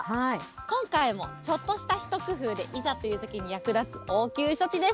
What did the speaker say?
今回もちょっとした一工夫でいざというときに役立つ応急処置です。